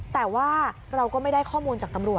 แต่ว่าเราก็ไม่ได้ข้อมูลจากตำรวจ